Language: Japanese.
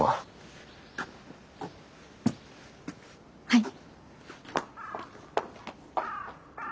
はい。